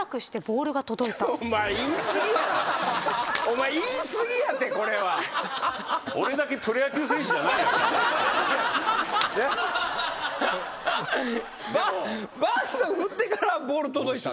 お前言い過ぎやってこれは。バット振ってからボール届いたって？